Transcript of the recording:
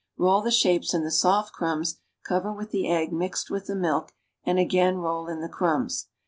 Roll the shapes in the soft crumbs, cover with the egg mixed with the milk, and again roll in the crumbs.